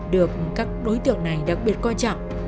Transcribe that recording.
được các đối tượng này đặc biệt coi trọng